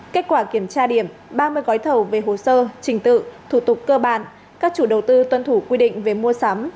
kết quả kiểm tra điểm ba mươi gói thầu về hồ sơ trình tự thủ tục cơ bản các chủ đầu tư tuân thủ quy định về mua sắm